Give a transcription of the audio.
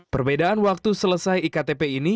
perbedaan waktu selesai iktp ini